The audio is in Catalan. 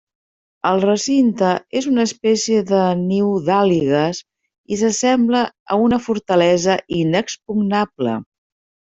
El recinte és una espècie de niu d'àligues i s'assembla a una fortalesa inexpugnable.